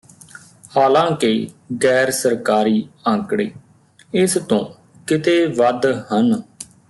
ਹਾਲਾਂਕਿ ਗੈਰ ਸਰਕਾਰੀ ਅੰਕੜੇ ਇਸ ਤੋਂ ਕਿਤੇ ਵੱਧ ਹਨ